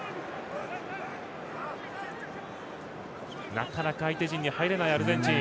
なかなか相手陣に入れないアルゼンチン。